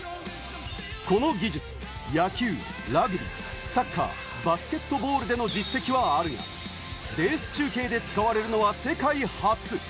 この技術は野球、ラグビー、サッカー、バスケットボールでの実績はあるが、レース中継で使われるのは世界初。